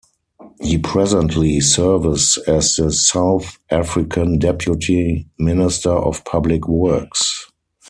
He presently serves as the South African Deputy Minister of Public Works.